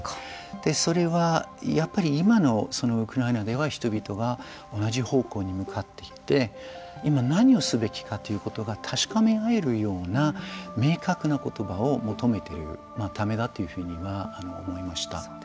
それはやっぱり今のウクライナでは人々が同じ方向に向かっていて今、何をすべきかということが確かめ合えるような明確な言葉を求めているためだというふうには思いました。